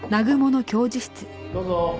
どうぞ。